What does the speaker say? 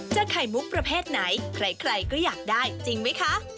ไข่มุกประเภทไหนใครก็อยากได้จริงไหมคะ